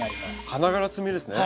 花がら摘みですね。